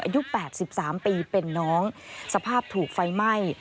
อายุ๘๓ปีเป็นน้องสภาพถูกไฟไหม้